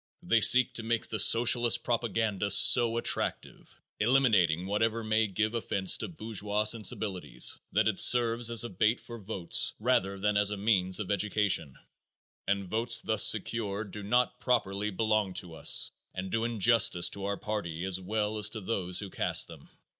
They seek to make the Socialist propaganda so attractive eliminating whatever may give offense to bourgeois sensibilities that it serves as a bait for votes rather than as a means of education, and votes thus secured do not properly belong to us and do injustice to our party as well as to those who cast them.